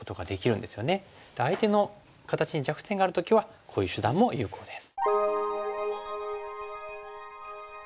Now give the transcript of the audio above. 相手の形に弱点がある時はこういう手段も有効です。